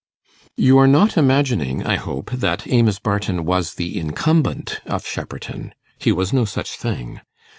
You are not imagining, I hope, that Amos Barton was the incumbent of Shepperton. He was no such thing.